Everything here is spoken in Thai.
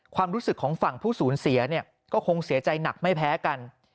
ความรู้สึกของฝั่งผู้สูญเสียเนี่ยก็คงเสียใจหนักไม่แพ้กัน